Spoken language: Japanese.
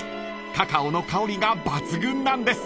［カカオの香りが抜群なんです］